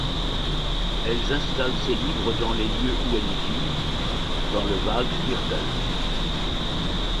Elles installent ses livres dans les lieux où elle vit, dans le Waldviertel.